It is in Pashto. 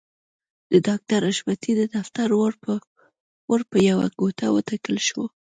د ډاکټر حشمتي د دفتر ور په يوه ګوته وټکول شو.